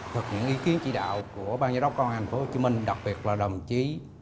thực hiện ý kiến chỉ đạo của bang giám đốc công an tp hcm đặc biệt là đồng chí